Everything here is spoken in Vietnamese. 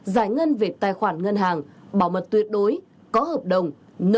giải ngân về tài khoản ngân hàng bảo mật tuyệt đối có hợp đồng